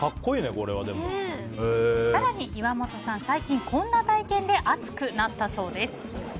更に、岩本さん最近こんな体験で熱くなったそうです。